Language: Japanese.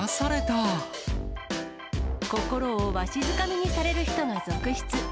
心をわしづかみにされる人が続出。